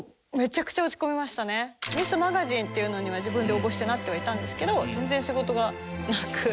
ミスマガジンっていうのには自分で応募してなってはいたんですけど全然仕事がなく。